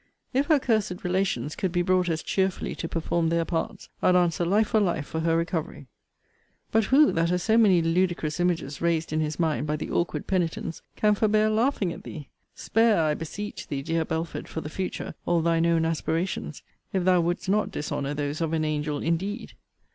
If her cursed relations could be brought as cheerfully to perform their parts, I'd answer life for life for her recovery. But who, that has so many ludicrous images raised in his mind by the awkward penitence, can forbear laughing at thee? Spare, I beseech thee, dear Belford, for the future, all thine own aspirations, if thou wouldst not dishonour those of an angel indeed.